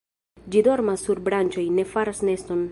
Ĝi dormas sur branĉoj, ne faras neston.